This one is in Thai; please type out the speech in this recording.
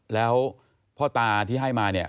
แล้วพ่อตาที่ให้มาเนี่ย